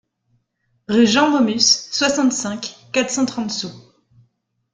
Rue Jean Maumus, soixante-cinq, quatre cent trente Soues